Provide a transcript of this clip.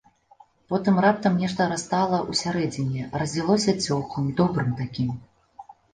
Потым раптам нешта растала ўсярэдзіне, разлілося цёплым, добрым такім.